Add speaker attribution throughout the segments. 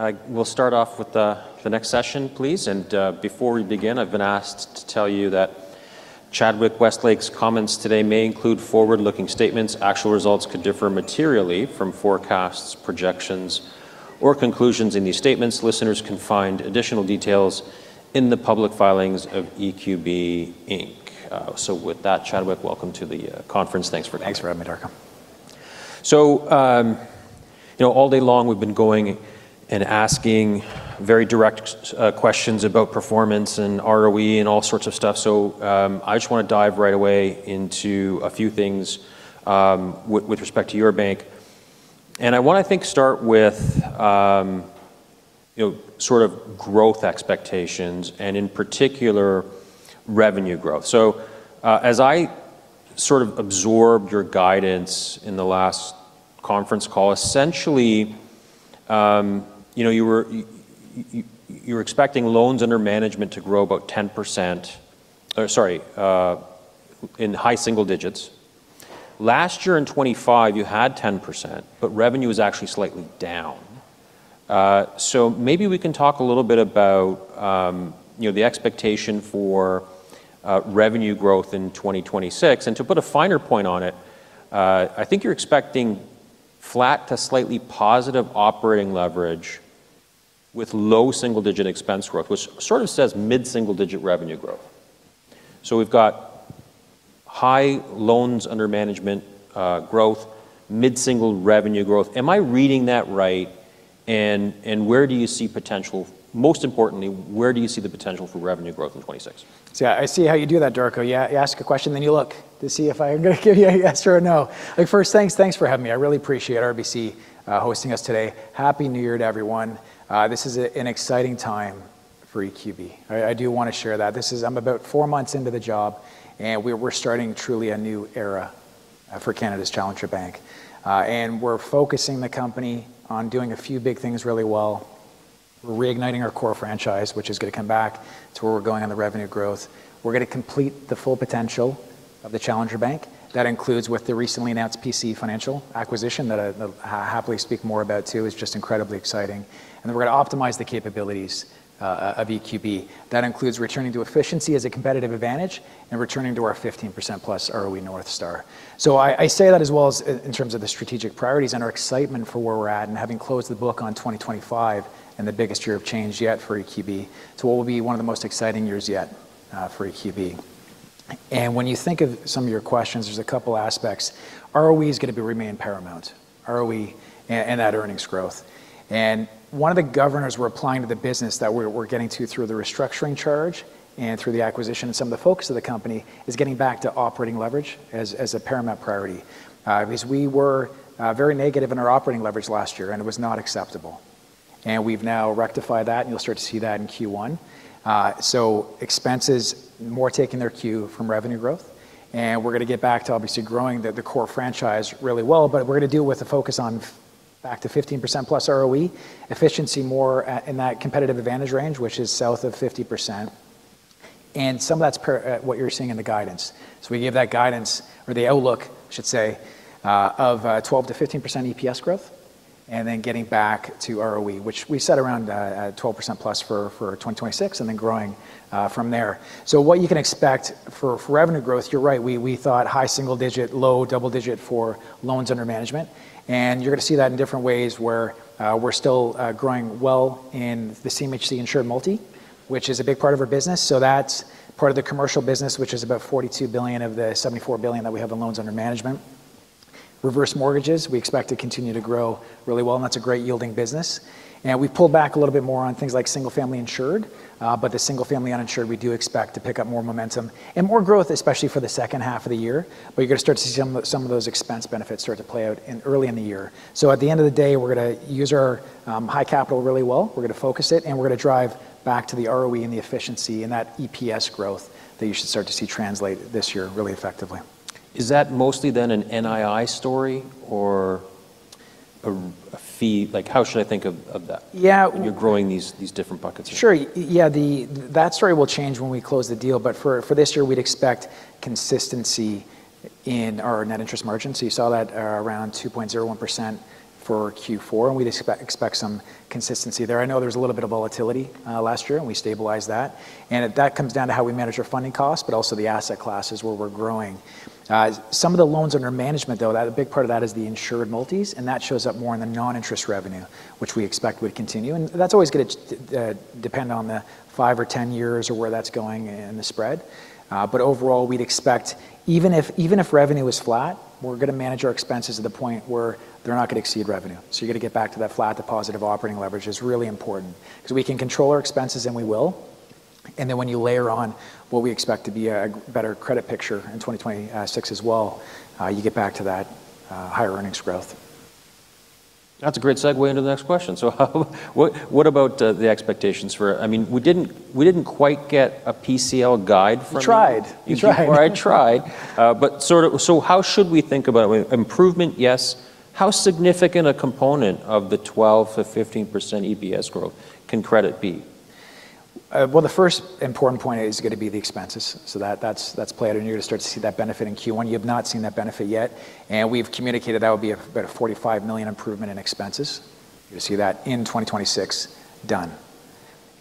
Speaker 1: Okay. We'll start off with the next session, please, and before we begin, I've been asked to tell you that Chadwick Westlake's comments today may include forward-looking statements. Actual results could differ materially from forecasts, projections, or conclusions in these statements. Listeners can find additional details in the public filings of EQB Inc., so with that, Chadwick, welcome to the conference. Thanks for coming.
Speaker 2: Thanks for having me, Darko.
Speaker 1: So all day long, we've been going and asking very direct questions about performance and ROE and all sorts of stuff. So I just want to dive right away into a few things with respect to your bank. And I want to, I think, start with sort of growth expectations and, in particular, revenue growth. So as I sort of absorbed your guidance in the last conference call, essentially, you were expecting loans under management to grow about 10%, sorry, in high single digits. Last year in 2025, you had 10%, but revenue was actually slightly down. So maybe we can talk a little bit about the expectation for revenue growth in 2026. And to put a finer point on it, I think you're expecting flat to slightly positive operating leverage with low single-digit expense growth, which sort of says mid-single-digit revenue growth. So we've got high loans under management growth, mid-single revenue growth. Am I reading that right? And where do you see potential? Most importantly, where do you see the potential for revenue growth in 2026?
Speaker 2: Yeah, I see how you do that, Darko. Yeah, you ask a question, then you look to see if I'm going to give you a yes or a no. First, thanks for having me. I really appreciate RBC hosting us today. Happy New Year to everyone. This is an exciting time for EQB. I do want to share that. I'm about four months into the job, and we're starting truly a new era for Canada's challenger bank. And we're focusing the company on doing a few big things really well. We're reigniting our core franchise, which is going to come back to where we're going on the revenue growth. We're going to complete the full potential of the challenger bank. That includes with the recently announced PC Financial acquisition that I'll happily speak more about too. It's just incredibly exciting. And then we're going to optimize the capabilities of EQB. That includes returning to efficiency as a competitive advantage and returning to our 15% plus ROE North Star. So I say that as well as in terms of the strategic priorities and our excitement for where we're at and having closed the book on 2025 and the biggest year of change yet for EQB. So what will be one of the most exciting years yet for EQB? And when you think of some of your questions, there's a couple of aspects. ROE is going to remain paramount, ROE and that earnings growth. And one of the governors we're applying to the business that we're getting to through the restructuring charge and through the acquisition and some of the focus of the company is getting back to operating leverage as a paramount priority. Because we were very negative in our operating leverage last year, and it was not acceptable. And we've now rectified that, and you'll start to see that in Q1. So expenses more taking their cue from revenue growth. And we're going to get back to obviously growing the core franchise really well, but we're going to do it with a focus on back to 15% plus ROE, efficiency more in that competitive advantage range, which is south of 50%. And some of that's what you're seeing in the guidance. So we give that guidance or the outlook, I should say, of 12%-15% EPS growth and then getting back to ROE, which we set around 12% plus for 2026 and then growing from there. So what you can expect for revenue growth, you're right, we thought high single digit, low double digit for loans under management. And you're going to see that in different ways where we're still growing well in the CMHC insured multi, which is a big part of our business. So that's part of the commercial business, which is about 42 billion of the 74 billion that we have in loans under management. Reverse mortgages, we expect to continue to grow really well, and that's a great yielding business. And we pull back a little bit more on things like single-family insured, but the single-family uninsured, we do expect to pick up more momentum and more growth, especially for the second half of the year. But you're going to start to see some of those expense benefits start to play out early in the year. So at the end of the day, we're going to use our high capital really well. We're going to focus it, and we're going to drive back to the ROE and the efficiency and that EPS growth that you should start to see translate this year really effectively.
Speaker 1: Is that mostly then an NII story or a fee? How should I think of that? You're growing these different buckets.
Speaker 2: Sure. Yeah, that story will change when we close the deal. But for this year, we'd expect consistency in our net interest margin. So you saw that around 2.01% for Q4, and we'd expect some consistency there. I know there was a little bit of volatility last year, and we stabilized that. And that comes down to how we manage our funding costs, but also the asset classes where we're growing. Some of the loans under management, though, a big part of that is the insured multis, and that shows up more in the non-interest revenue, which we expect would continue. And that's always going to depend on the five or 10 years or where that's going in the spread. But overall, we'd expect even if revenue was flat, we're going to manage our expenses to the point where they're not going to exceed revenue. So you're going to get back to that flat to positive operating leverage is really important because we can control our expenses, and we will. And then when you layer on what we expect to be a better credit picture in 2026 as well, you get back to that higher earnings growth.
Speaker 1: That's a great segue into the next question. So what about the expectations for, I mean, we didn't quite get a PCL guide from you?
Speaker 2: We tried.
Speaker 1: You tried.
Speaker 2: I tried.
Speaker 1: How should we think about improvement? Yes. How significant a component of the 12%-15% EPS growth can credit be?
Speaker 2: The first important point is going to be the expenses. That's played. You're going to start to see that benefit in Q1. You have not seen that benefit yet. We've communicated that would be about 45 million improvement in expenses. You're going to see that in 2026 done.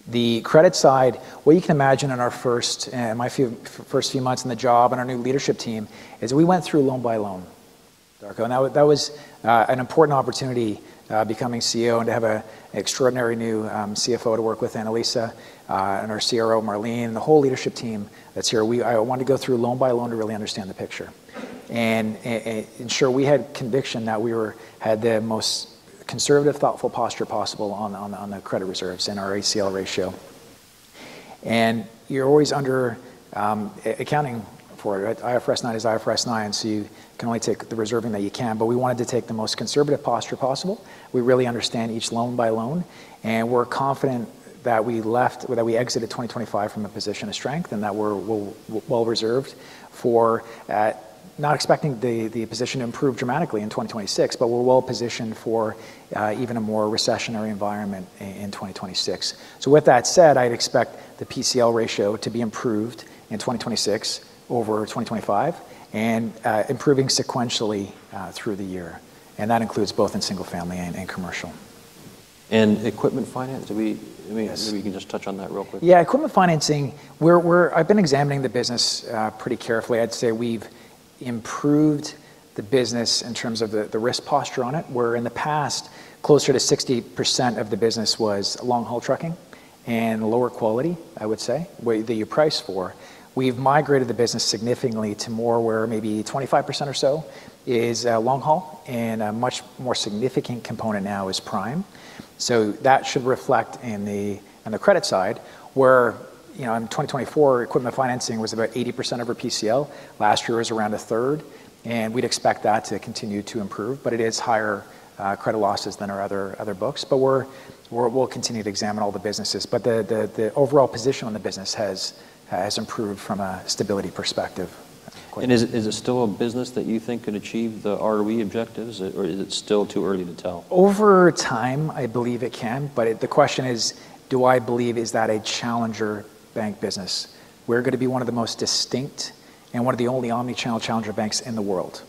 Speaker 2: The credit side, what you can imagine in our first, in my first few months in the job and our new leadership team is we went through loan by loan, Darko. That was an important opportunity becoming CEO and to have an extraordinary new CFO to work with, Annalisa, and our CRO, Marlene, and the whole leadership team that's here. I wanted to go through loan by loan to really understand the picture and ensure we had conviction that we had the most conservative, thoughtful posture possible on the credit reserves and our ACL ratio. You're always under accounting for it. IFRS 9 is IFRS 9, so you can only take the reserving that you can. But we wanted to take the most conservative posture possible. We really understand each loan by loan, and we're confident that we exited 2025 from a position of strength and that we're well reserved for not expecting the position to improve dramatically in 2026, but we're well positioned for even a more recessionary environment in 2026. With that said, I'd expect the PCL ratio to be improved in 2026 over 2025 and improving sequentially through the year. That includes both in single-family and commercial.
Speaker 1: Equipment finance? Maybe you can just touch on that real quick.
Speaker 2: Yeah, equipment financing, I've been examining the business pretty carefully. I'd say we've improved the business in terms of the risk posture on it, where in the past, closer to 60% of the business was long-haul trucking and lower quality, I would say, that you price for. We've migrated the business significantly to more where maybe 25% or so is long-haul, and a much more significant component now is prime, so that should reflect in the credit side where in 2024, equipment financing was about 80% of our PCL. Last year was around a third, and we'd expect that to continue to improve, but it is higher credit losses than our other books, but we'll continue to examine all the businesses, but the overall position on the business has improved from a stability perspective.
Speaker 1: Is it still a business that you think can achieve the ROE objectives, or is it still too early to tell?
Speaker 2: Over time, I believe it can. But the question is, do I believe that is a challenger bank business? We're going to be one of the most distinct and one of the only omnichannel challenger banks in the world.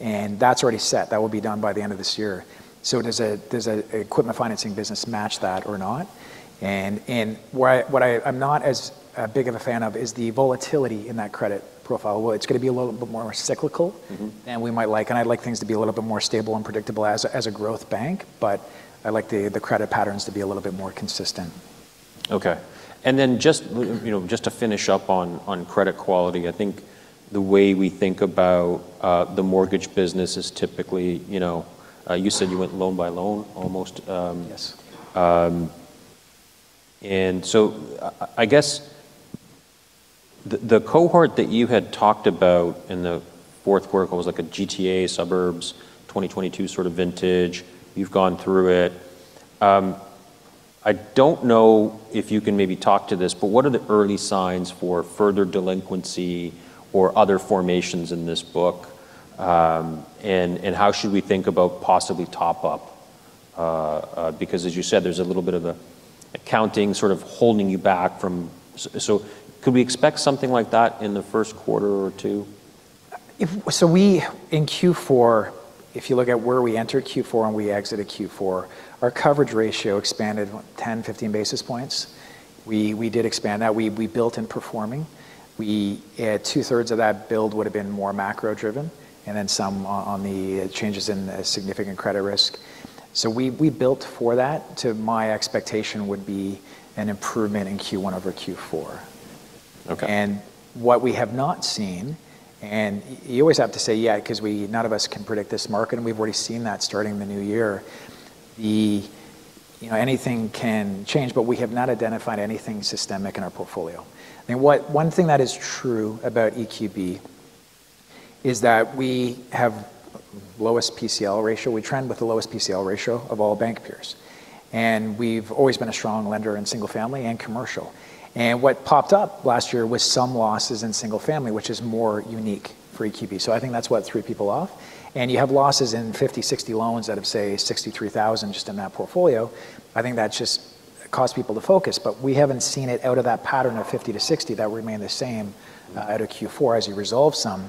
Speaker 2: And that's already set. That will be done by the end of this year. So does the equipment financing business match that or not? And what I'm not as big of a fan of is the volatility in that credit profile. It's going to be a little bit more cyclical than we might like. And I'd like things to be a little bit more stable and predictable as a growth bank, but I'd like the credit patterns to be a little bit more consistent.
Speaker 1: Okay. And then just to finish up on credit quality, I think the way we think about the mortgage business is typically, you said you went loan by loan almost.
Speaker 2: Yes.
Speaker 1: And so I guess the cohort that you had talked about in the fourth quarter was like a GTA suburbs 2022 sort of vintage. You've gone through it. I don't know if you can maybe talk to this, but what are the early signs for further delinquency or other formations in this book? And how should we think about possibly top-up? Because as you said, there's a little bit of accounting sort of holding you back from, so could we expect something like that in the first quarter or two?
Speaker 2: So in Q4, if you look at where we entered Q4 and we exited Q4, our coverage ratio expanded 10-15 basis points. We did expand that. We built in performing. Two-thirds of that build would have been more macro-driven and then some on the changes in significant credit risk. So we built for that to my expectation would be an improvement in Q1 over Q4. And what we have not seen, and you always have to say, yeah, because none of us can predict this market, and we've already seen that starting the new year, anything can change, but we have not identified anything systemic in our portfolio. I think one thing that is true about EQB is that we have lowest PCL ratio. We trend with the lowest PCL ratio of all bank peers. And we've always been a strong lender in single-family and commercial. And what popped up last year was some losses in single-family, which is more unique for EQB. So I think that's what threw people off. And you have losses in 50-60 loans out of, say, 63,000 just in that portfolio. I think that just caused people to focus. But we haven't seen it out of that pattern of 50-60 that remained the same out of Q4 as you resolve some.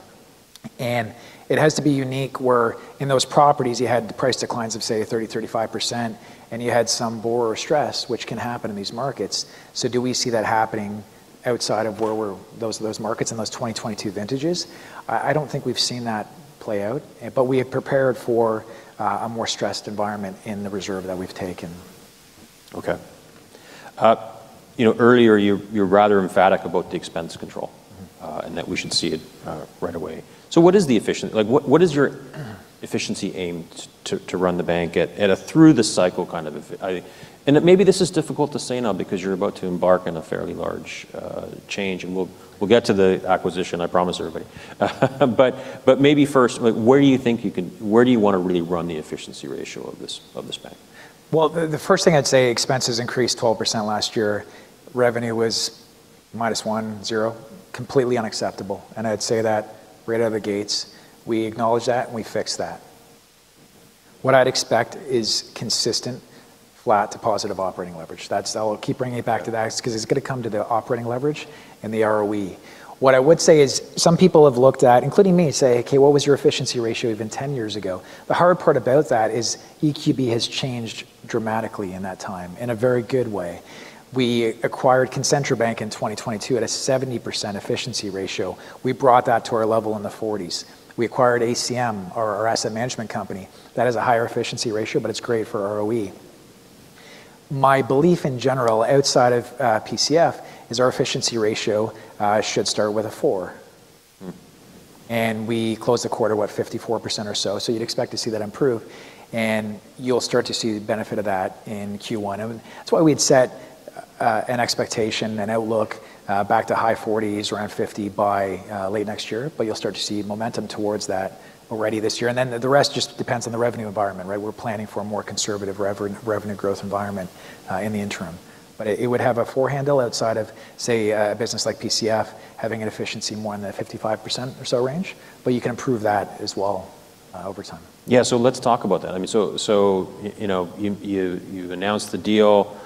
Speaker 2: And it has to be unique where in those properties, you had price declines of, say, 30%-35%, and you had some borrower stress, which can happen in these markets. So do we see that happening outside of where we are in those markets in those 2022 vintages? I don't think we've seen that play out, but we have prepared for a more stressed environment in the reserve that we've taken.
Speaker 1: Okay. Earlier, you're rather emphatic about the expense control and that we should see it right away. So what is the efficiency? What is your efficiency aim to run the bank at a through the cycle kind of? And maybe this is difficult to say now because you're about to embark on a fairly large change, and we'll get to the acquisition, I promise everybody. But maybe first, where do you think you can, where do you want to really run the efficiency ratio of this bank?
Speaker 2: The first thing I'd say, expenses increased 12% last year. Revenue was minus 10, completely unacceptable. I'd say that right out of the gates, we acknowledge that and we fix that. What I'd expect is consistent, flat to positive operating leverage. I'll keep bringing it back to that because it's going to come to the operating leverage and the ROE. What I would say is some people have looked at, including me, say, okay, what was your efficiency ratio even 10 years ago? The hard part about that is EQB has changed dramatically in that time in a very good way. We acquired Concentra Bank in 2022 at a 70% efficiency ratio. We brought that to our level in the 40s. We acquired ACM, our asset management company. That has a higher efficiency ratio, but it's great for ROE. My belief in general outside of PCF is our efficiency ratio should start with a four, and we closed the quarter at 54% or so, so you'd expect to see that improve, and you'll start to see the benefit of that in Q1, and that's why we had set an expectation, an outlook back to high 40s, around 50 by late next year, but you'll start to see momentum towards that already this year, and then the rest just depends on the revenue environment, right? We're planning for a more conservative revenue growth environment in the interim, but it would have a four handle outside of, say, a business like PCF having an efficiency more in the 55% or so range, but you can improve that as well over time.
Speaker 1: Yeah. So let's talk about that. I mean, so you announced the deal.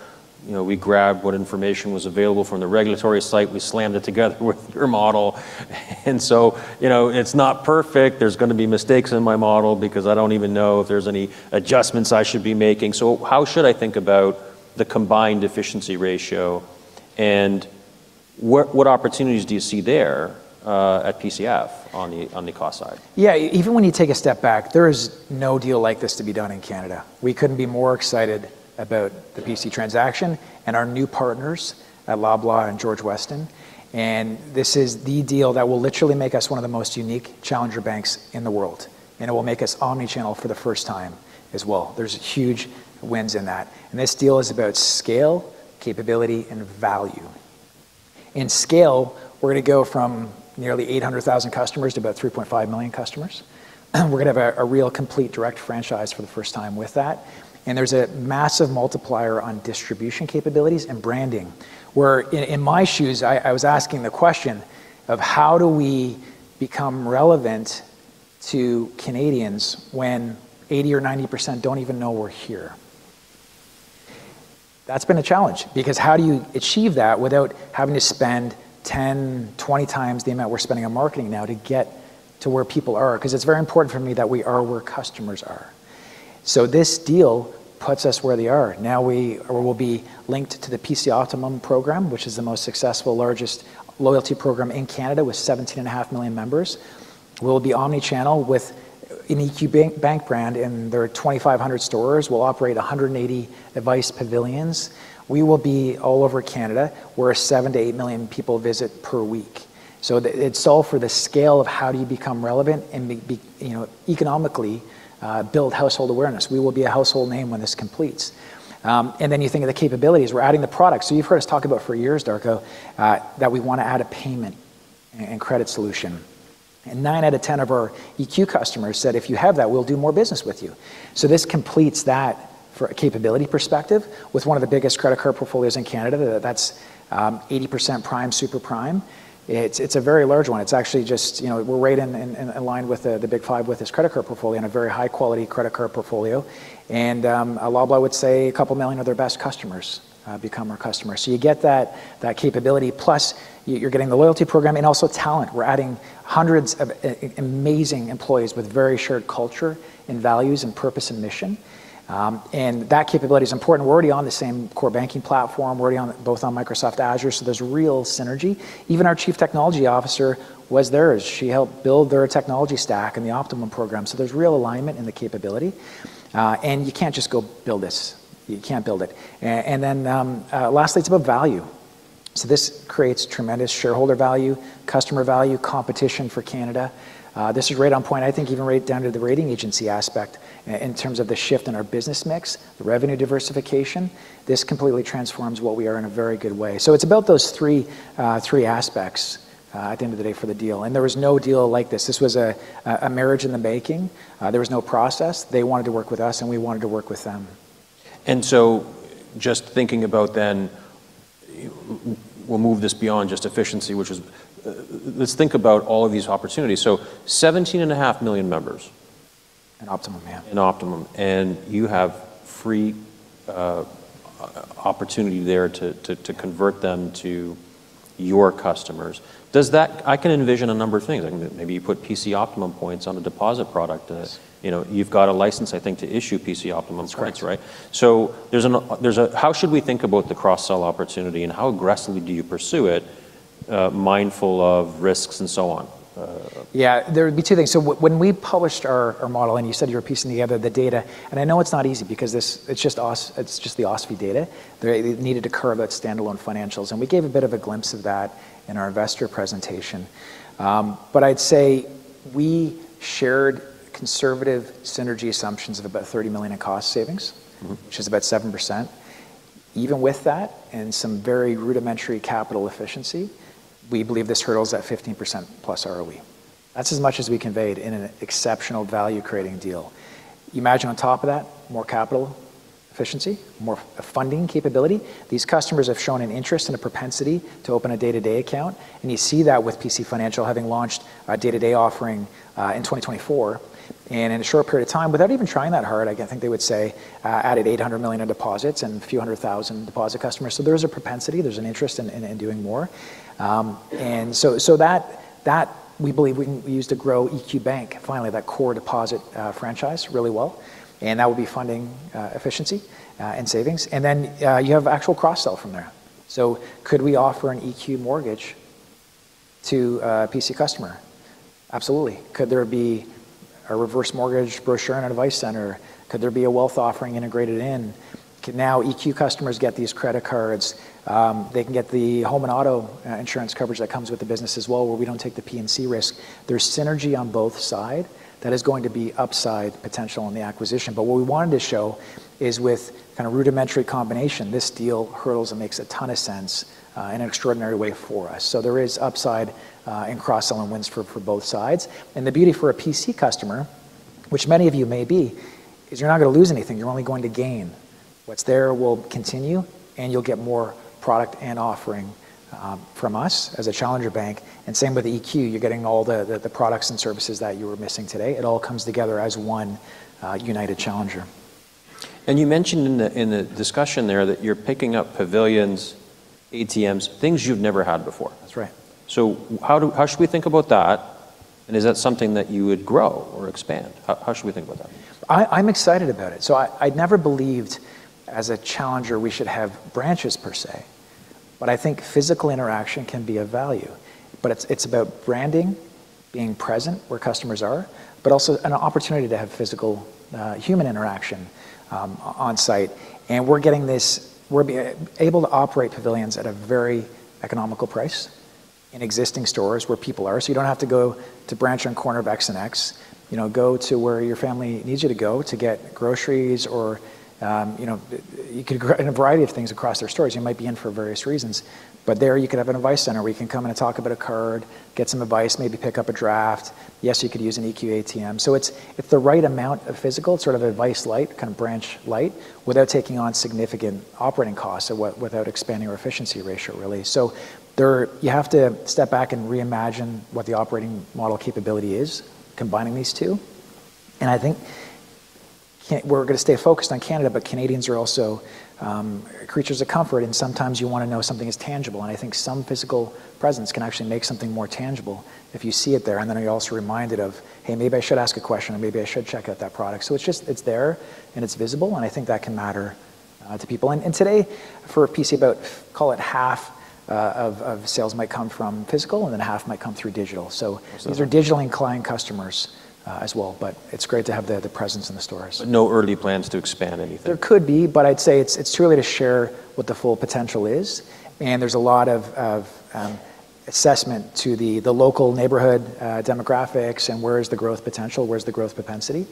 Speaker 1: We grabbed what information was available from the regulatory site. We slammed it together with your model. And so it's not perfect. There's going to be mistakes in my model because I don't even know if there's any adjustments I should be making. So how should I think about the combined efficiency ratio and what opportunities do you see there at PCF on the cost side?
Speaker 2: Yeah. Even when you take a step back, there is no deal like this to be done in Canada. We couldn't be more excited about the PC transaction and our new partners at Loblaw and George Weston. This is the deal that will literally make us one of the most unique challenger banks in the world. It will make us omnichannel for the first time as well. There's huge wins in that. This deal is about scale, capability, and value. In scale, we're going to go from nearly 800,000 customers to about 3.5 million customers. We're going to have a real complete direct franchise for the first time with that. There's a massive multiplier on distribution capabilities and branding. Where in my shoes, I was asking the question of how do we become relevant to Canadians when 80% or 90% don't even know we're here? That's been a challenge because how do you achieve that without having to spend 10, 20 times the amount we're spending on marketing now to get to where people are? Because it's very important for me that we are where customers are. So this deal puts us where they are. Now we will be linked to the PC Optimum program, which is the most successful, largest loyalty program in Canada with 17.5 million members. We'll be omnichannel with an EQB bank brand in their 2,500 stores. We'll operate 180 device pavilions. We will be all over Canada, where seven to eight million people visit per week. So it's all for the scale of how do you become relevant and economically build household awareness. We will be a household name when this completes. And then you think of the capabilities. We're adding the product. You've heard us talk about for years, Darko, that we want to add a payment and credit solution. Nine out of 10 of our EQ customers said, "If you have that, we'll do more business with you." This completes that for a capability perspective with one of the biggest credit card portfolios in Canada. That's 80% prime, super prime. It's a very large one. It's actually just, we're right in line with the Big Five with this credit card portfolio and a very high-quality credit card portfolio. Loblaw would say a couple million of their best customers become our customers. You get that capability, plus you're getting the loyalty program and also talent. We're adding hundreds of amazing employees with very shared culture and values and purpose and mission. That capability is important. We're already on the same core banking platform. We're already both on Microsoft Azure, so there's real synergy. Even our Chief Technology Officer was there. She helped build their technology stack and the Optimum program, so there's real alignment in the capability. And you can't just go build this. You can't build it, and then lastly, it's about value, so this creates tremendous shareholder value, customer value, competition for Canada. This is right on point. I think even right down to the rating agency aspect in terms of the shift in our business mix, the revenue diversification, this completely transforms what we are in a very good way, so it's about those three aspects at the end of the day for the deal, and there was no deal like this. This was a marriage in the making. There was no process. They wanted to work with us, and we wanted to work with them.
Speaker 1: And so, just thinking about then, we'll move this beyond just efficiency, which is, let's think about all of these opportunities. So, 17.5 million members.
Speaker 2: PC Optimum, yeah.
Speaker 1: PC Optimum. And you have free opportunity there to convert them to your customers. I can envision a number of things. Maybe you put PC Optimum points on a deposit product. You've got a license, I think, to issue PC Optimum points, right? So how should we think about the cross-sell opportunity and how aggressively do you pursue it, mindful of risks and so on?
Speaker 2: Yeah. There would be two things. So when we published our model and you said you were piecing together the data, and I know it's not easy because it's just the OSFI data. It needed to refer to standalone financials. And we gave a bit of a glimpse of that in our investor presentation. But I'd say we shared conservative synergy assumptions of about 30 million in cost savings, which is about 7%. Even with that and some very rudimentary capital efficiency, we believe this hurdle is at 15% plus ROE. That's as much as we conveyed in an exceptional value-creating deal. Imagine on top of that, more capital efficiency, more funding capability. These customers have shown an interest and a propensity to open a day-to-day account. And you see that with PC Financial having launched a day-to-day offering in 2024. And in a short period of time, without even trying that hard, I think they would say, added 800 million in deposits and a few hundred thousand deposit customers. So there is a propensity. There's an interest in doing more. And so that we believe we can use to grow EQ Bank, finally, that core deposit franchise really well. And that would be funding efficiency and savings. And then you have actual cross-sell from there. So could we offer an EQ mortgage to a PC customer? Absolutely. Could there be a reverse mortgage brochure in a device center? Could there be a wealth offering integrated in? Now EQ customers get these credit cards. They can get the home and auto insurance coverage that comes with the business as well where we don't take the P&C risk. There's synergy on both sides. That is going to be upside potential in the acquisition. But what we wanted to show is with kind of rudimentary combination, this deal hurdles and makes a ton of sense in an extraordinary way for us. So there is upside in cross-sell and wins for both sides. And the beauty for a PC customer, which many of you may be, is you're not going to lose anything. You're only going to gain. What's there will continue, and you'll get more product and offering from us as a challenger bank. And same with the EQ. You're getting all the products and services that you were missing today. It all comes together as one united challenger.
Speaker 1: You mentioned in the discussion there that you're picking up pavilions, ATMs, things you've never had before.
Speaker 2: That's right.
Speaker 1: So how should we think about that? And is that something that you would grow or expand? How should we think about that?
Speaker 2: I'm excited about it. I'd never believed as a challenger we should have branches per se. I think physical interaction can be of value. It's about branding, being present where customers are, but also an opportunity to have physical human interaction on site. We're able to operate pavilions at a very economical price in existing stores where people are. You don't have to go to a branch on the corner of X and X. Go to where your family needs you to go to get groceries or you could go in a variety of things across their stores. You might be in for various reasons. There you could have an advice center where you can come in and talk about a card, get some advice, maybe pick up a draft. Yes, you could use an EQ ATM. So it's the right amount of physical, sort of advice light, kind of branch light without taking on significant operating costs or without expanding our efficiency ratio, really. So you have to step back and reimagine what the operating model capability is, combining these two. And I think we're going to stay focused on Canada, but Canadians are also creatures of comfort. And sometimes you want to know something is tangible. And I think some physical presence can actually make something more tangible if you see it there. And then you're also reminded of, hey, maybe I should ask a question or maybe I should check out that product. So it's there, and it's visible. And I think that can matter to people. And today, for a PC, about, call it half of sales might come from physical, and then half might come through digital. So these are digitally inclined customers as well. But it's great to have the presence in the stores.
Speaker 1: But no early plans to expand anything.
Speaker 2: There could be, but I'd say it's truly to share what the full potential is, and there's a lot of assessment to the local neighborhood demographics and where is the growth potential, where's the growth propensity,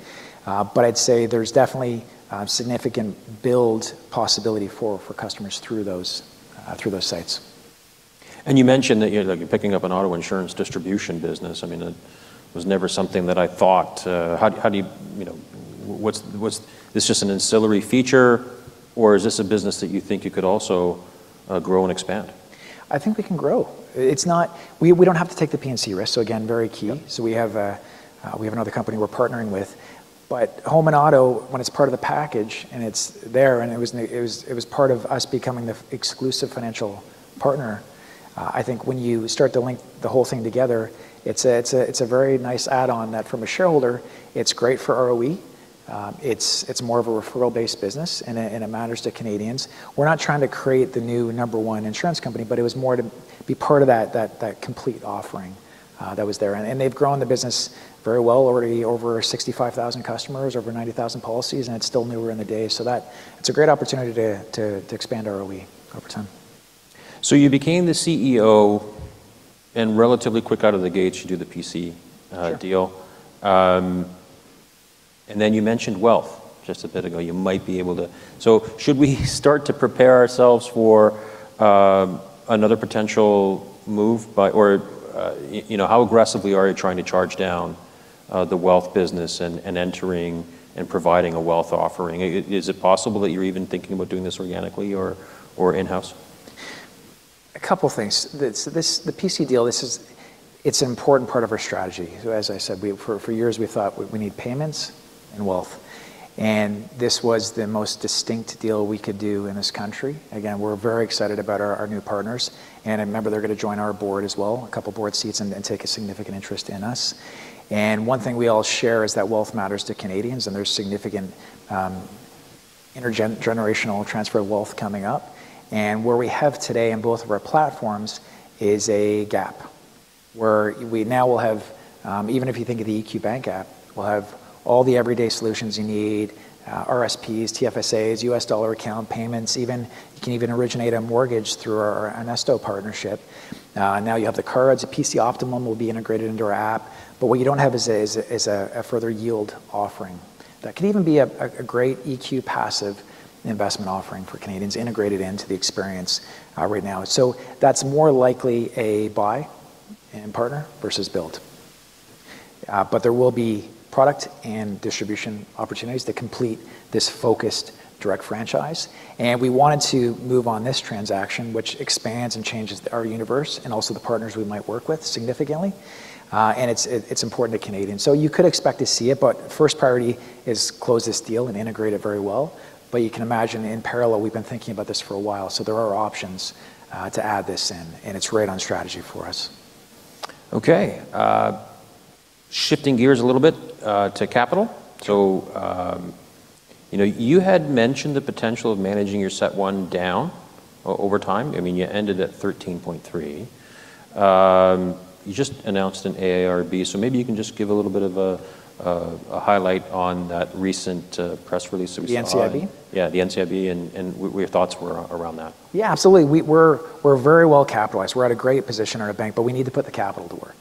Speaker 2: but I'd say there's definitely significant build possibility for customers through those sites.
Speaker 1: You mentioned that you're picking up an auto insurance distribution business. I mean, it was never something that I thought. Is this just an ancillary feature, or is this a business that you think you could also grow and expand?
Speaker 2: I think we can grow. We don't have to take the P&C risk, so again, very key, so we have another company we're partnering with, but home and auto, when it's part of the package and it's there, and it was part of us becoming the exclusive financial partner. I think when you start to link the whole thing together, it's a very nice add-on that from a shareholder, it's great for ROE. It's more of a referral-based business, and it matters to Canadians. We're not trying to create the new number one insurance company, but it was more to be part of that complete offering that was there, and they've grown the business very well, already over 65,000 customers, over 90,000 policies, and it's still early in the day, so it's a great opportunity to expand ROE over time.
Speaker 1: So you became the CEO and relatively quick out of the gate to do the PC deal. And then you mentioned wealth just a bit ago. You might be able to. So should we start to prepare ourselves for another potential move? Or how aggressively are you trying to charge down the wealth business and entering and providing a wealth offering? Is it possible that you're even thinking about doing this organically or in-house?
Speaker 2: A couple of things. The PC deal, it's an important part of our strategy. So as I said, for years, we thought we need payments and wealth. And this was the most distinct deal we could do in this country. Again, we're very excited about our new partners. And I remember they're going to join our board as well, a couple of board seats, and take a significant interest in us. And one thing we all share is that wealth matters to Canadians, and there's significant intergenerational transfer of wealth coming up. And where we have today in both of our platforms is a gap where we now will have, even if you think of the EQ Bank app, we'll have all the everyday solutions you need: RSPs, TFSAs, U.S. dollar account payments. You can even originate a mortgage through our Nesto partnership. Now you have the cards. PC Optimum will be integrated into our app, but what you don't have is a further yield offering that could even be a great EQ passive investment offering for Canadians integrated into the experience right now, so that's more likely a buy and partner versus build, but there will be product and distribution opportunities to complete this focused direct franchise, and we wanted to move on this transaction, which expands and changes our universe and also the partners we might work with significantly, and it's important to Canadians, so you could expect to see it, but first priority is close this deal and integrate it very well, but you can imagine in parallel, we've been thinking about this for a while, so there are options to add this in, and it's right on strategy for us.
Speaker 1: Okay. Shifting gears a little bit to capital. So you had mentioned the potential of managing your CET1 down over time. I mean, you ended at 13.3. You just announced an NCIB. So maybe you can just give a little bit of a highlight on that recent press release that we saw.
Speaker 2: The NCIB?
Speaker 1: Yeah, the NCIB, and your thoughts were around that.
Speaker 2: Yeah, absolutely. We're very well capitalized. We're at a great position at a bank, but we need to put the capital to work,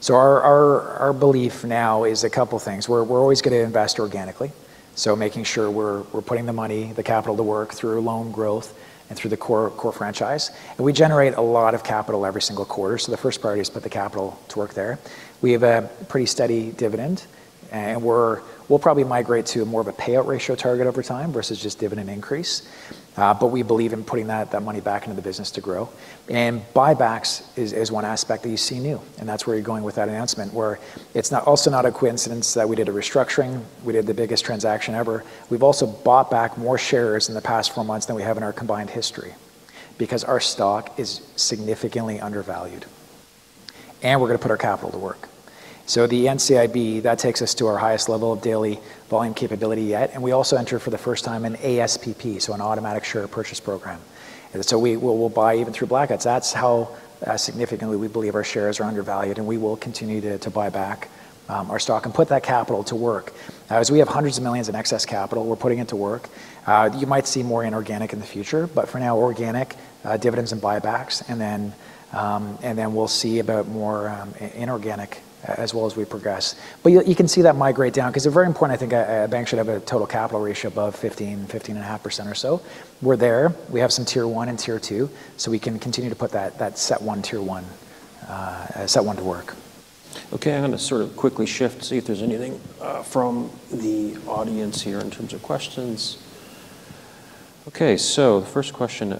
Speaker 2: so our belief now is a couple of things. We're always going to invest organically, so making sure we're putting the money, the capital to work through loan growth and through the core franchise, and we generate a lot of capital every single quarter, so the first priority is to put the capital to work there. We have a pretty steady dividend, and we'll probably migrate to more of a payout ratio target over time versus just dividend increase, but we believe in putting that money back into the business to grow, and buybacks is one aspect that you see now, and that's where you're going with that announcement, where it's also not a coincidence that we did a restructuring. We did the biggest transaction ever. We've also bought back more shares in the past four months than we have in our combined history because our stock is significantly undervalued, and we're going to put our capital to work, so the NCIB, that takes us to our highest level of daily volume capability yet, and we also entered for the first time an ASPP, so an automatic share purchase program, so we'll buy even through blackouts. That's how significantly we believe our shares are undervalued, and we will continue to buy back our stock and put that capital to work. Now, as we have hundreds of millions in excess capital, we're putting it to work. You might see more inorganic in the future, but for now, organic, dividends and buybacks, and then we'll see about more inorganic as well as we progress, but you can see that migrate down because they're very important. I think a bank should have a total capital ratio above 15%-15.5% or so. We're there. We have some Tier 1 and Tier 2. So we can continue to put that CET1, Tier 1, CET1 to work.
Speaker 1: Okay. I'm going to sort of quickly shift, see if there's anything from the audience here in terms of questions. Okay. So first question.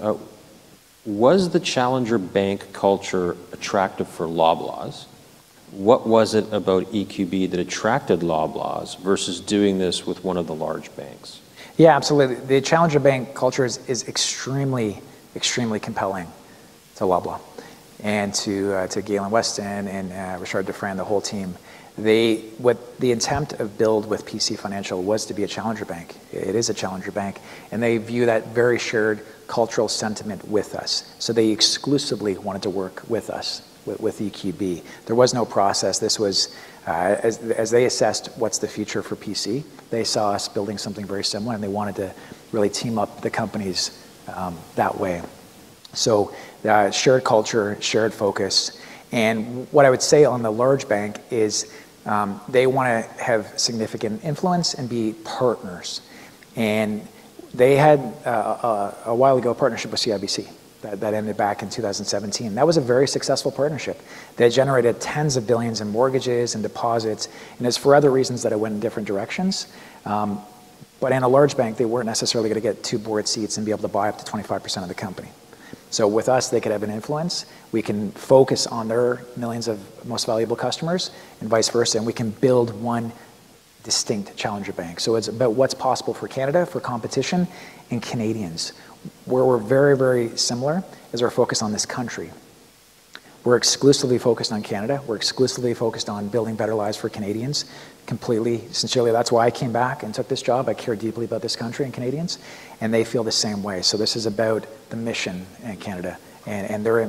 Speaker 1: Was the Challenger Bank culture attractive for Loblaw? What was it about EQB that attracted Loblaw versus doing this with one of the large banks?
Speaker 2: Yeah, absolutely. The challenger bank culture is extremely, extremely compelling to Loblaw and to Galen Weston and Richard Dufresne, the whole team. The attempt to build with PC Financial was to be a challenger bank. It is a challenger bank. And they view that very shared cultural sentiment with us. So they exclusively wanted to work with us, with EQB. There was no process. As they assessed what's the future for PC, they saw us building something very similar, and they wanted to really team up the companies that way. So shared culture, shared focus. And what I would say on the large bank is they want to have significant influence and be partners. And they had a while ago a partnership with CIBC that ended back in 2017. That was a very successful partnership. They generated tens of billions in mortgages and deposits. And it's for other reasons that it went in different directions. But in a large bank, they weren't necessarily going to get two board seats and be able to buy up to 25% of the company. So with us, they could have an influence. We can focus on their millions of most valuable customers and vice versa. And we can build one distinct challenger bank. So it's about what's possible for Canada, for competition and Canadians. Where we're very, very similar is our focus on this country. We're exclusively focused on Canada. We're exclusively focused on building better lives for Canadians. Completely, sincerely. That's why I came back and took this job. I care deeply about this country and Canadians. And they feel the same way. So this is about the mission in Canada and their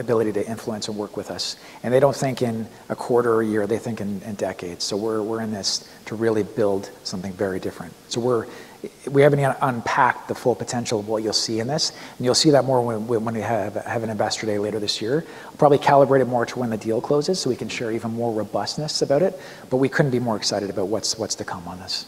Speaker 2: ability to influence and work with us. And they don't think in a quarter or a year. They think in decades. So we're in this to really build something very different. So we haven't yet unpacked the full potential of what you'll see in this. And you'll see that more when we have an investor day later this year. Probably calibrate it more to when the deal closes so we can share even more robustness about it. But we couldn't be more excited about what's to come on this.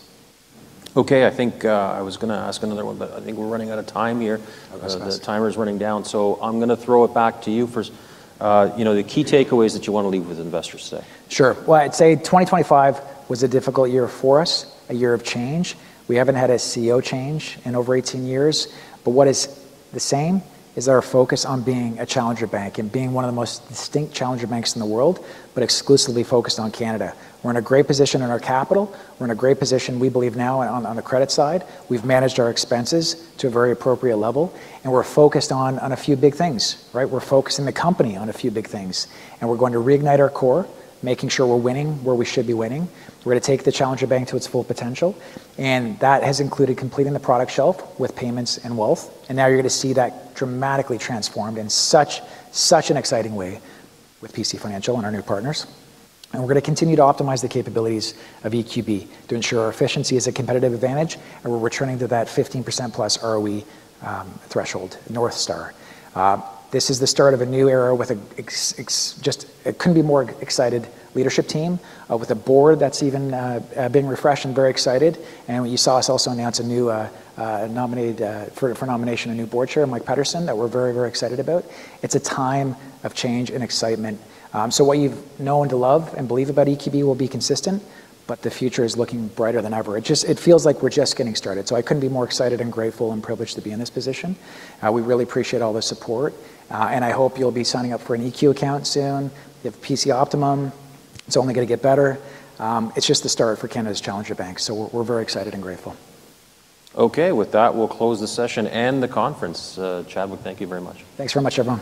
Speaker 1: Okay. I think I was going to ask another one, but I think we're running out of time here. The timer is running down. So I'm going to throw it back to you for the key takeaways that you want to leave with investors today.
Speaker 2: Sure. Well, I'd say 2025 was a difficult year for us, a year of change. We haven't had a CEO change in over 18 years. But what is the same is our focus on being a challenger bank and being one of the most distinct challenger banks in the world, but exclusively focused on Canada. We're in a great position in our capital. We're in a great position, we believe now on the credit side. We've managed our expenses to a very appropriate level. And we're focused on a few big things. We're focusing the company on a few big things. And we're going to reignite our core, making sure we're winning where we should be winning. We're going to take the challenger bank to its full potential. And that has included completing the product shelf with payments and wealth. Now you're going to see that dramatically transformed in such an exciting way with PC Financial and our new partners. We're going to continue to optimize the capabilities of EQB to ensure our efficiency is a competitive advantage. We're returning to that 15% plus ROE threshold, Northstar. This is the start of a new era with just, it couldn't be more excited leadership team, with a board that's even been refreshed and very excited. You saw us also announce a new nomination for a new board chair, Mike Pedersen, that we're very, very excited about. It's a time of change and excitement. What you've known to love and believe about EQB will be consistent, but the future is looking brighter than ever. It feels like we're just getting started. I couldn't be more excited and grateful and privileged to be in this position. We really appreciate all the support. And I hope you'll be signing up for an EQ account soon. You have PC Optimum. It's only going to get better. It's just the start for Canada's challenger bank. So we're very excited and grateful.
Speaker 1: Okay. With that, we'll close the session and the conference. Chadwick, thank you very much.
Speaker 2: Thanks very much, everyone.